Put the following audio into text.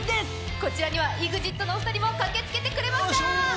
こちらにはＥＸＩＴのお二人も駆けつけてくれました。